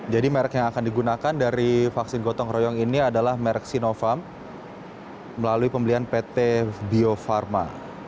jadi merk yang akan digunakan dari vaksin gotong royong ini adalah merk sinovac melalui pembelian pt bio farma